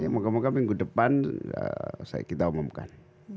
mungkin minggu depan kita umumkan